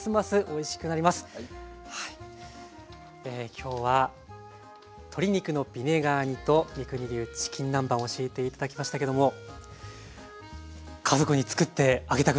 今日は鶏肉のビネガー煮と三國流チキン南蛮教えて頂きましたけども家族につくってあげたくなりました。